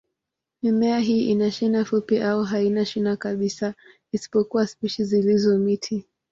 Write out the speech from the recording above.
Mimea hii ina shina fupi au haina shina kabisa, isipokuwa spishi zilizo miti.